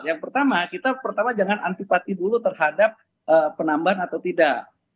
yang pertama kita pertama jangan antipati dulu terhadap penambahan atau tidak